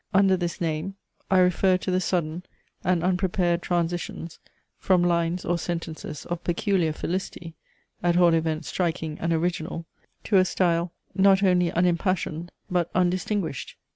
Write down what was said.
Under this name I refer to the sudden and unprepared transitions from lines or sentences of peculiar felicity (at all events striking and original) to a style, not only unimpassioned but undistinguished.